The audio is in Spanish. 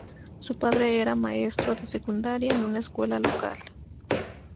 Su padre era un maestro de secundaria en una escuela local.